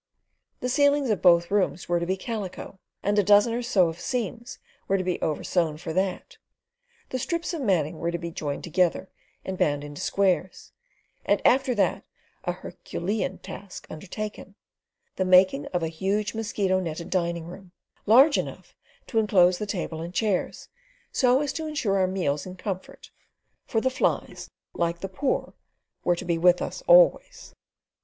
The ceilings of both rooms were to be calico, and a dozen or so of seams were to be oversewn for that, the strips of matting were to be joined together and bound into squares, and after that a herculean task undertaken: the making of a huge mosquito netted dining room, large enough to enclose the table and chairs, so as to ensure our meals in comfort—for the flies, like the poor, were to be with us always.